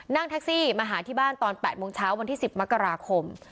นั่งแท็กซี่มาหาที่บ้านตอน๘โมงเช้าวันที่๑๐มกราคม